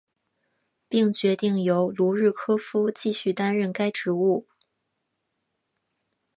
并决定由卢日科夫继续担任该职务。